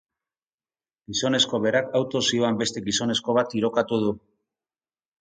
Gizonezko berak autoz zihoan beste gizonezko bat tirokatu du.